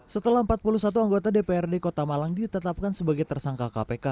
setelah empat puluh satu anggota dprd kota malang ditetapkan sebagai tersangka kpk